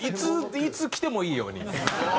いつきてもいいように。